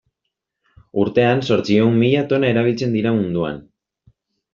Urtean zortziehun mila tona erabiltzen dira munduan.